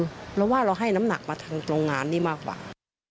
เพราะว่าเราให้น้ำหนักมาทางโรงงานนี้มากกว่า